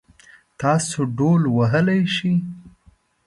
تاسو ډهول وهلی شئ؟